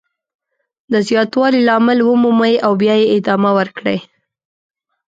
د زیاتوالي لامل ومومئ او بیا یې ادامه ورکړئ.